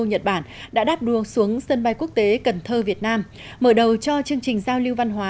nhật bản đã đáp đua xuống sân bay quốc tế cần thơ việt nam mở đầu cho chương trình giao lưu văn hóa